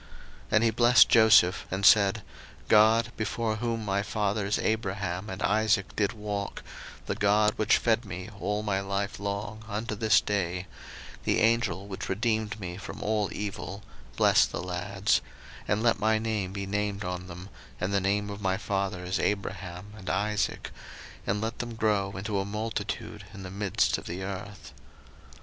01:048:015 And he blessed Joseph, and said, God, before whom my fathers Abraham and Isaac did walk, the God which fed me all my life long unto this day, 01:048:016 The Angel which redeemed me from all evil, bless the lads; and let my name be named on them, and the name of my fathers Abraham and Isaac; and let them grow into a multitude in the midst of the earth.